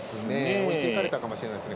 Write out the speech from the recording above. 置いていかれたかもしれないです。